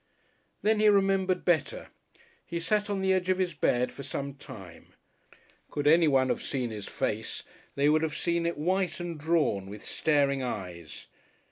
Then he remembered better. He sat on the edge of his bed for some time. Could anyone have seen his face they would have seen it white and drawn with staring eyes.